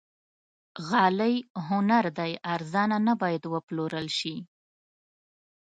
غالۍ هنر دی، ارزانه نه باید وپلورل شي.